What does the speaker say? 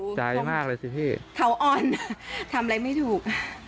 ก็เสียงแบบตานั้นเลยเนี่ยตกใจมากเลยสิพี่เขาอ้อนทำอะไรไม่ถูก